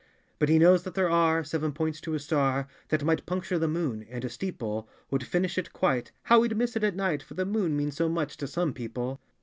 " But he knows that there are Seven points to a star, That might puncture the moon; and a steeple Would finish it quite! How we'd miss it at night, For the moon means so much to some people!